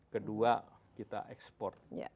kedua kita export